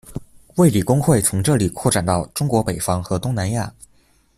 卫理公会从这里扩展到中国北方和东南亚。